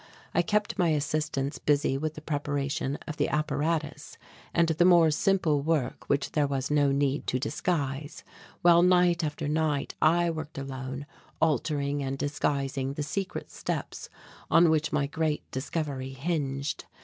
I kept my assistants busy with the preparation of the apparatus and the more simple work which there was no need to disguise, while night after night I worked alone, altering and disguising the secret steps on which my great discovery hinged.